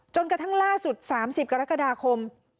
กระทั่งล่าสุด๓๐กรกฎาคม